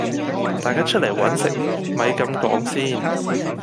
大家出嚟搵食咪咁講先